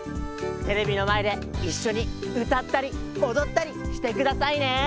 テレビのまえでいっしょにうたったりおどったりしてくださいね！